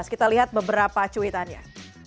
kita lihat beberapa cuitannya